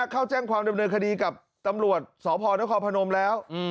เข้าแจ้งความดำเนินคดีกับตำรวจสพนครพนมแล้ว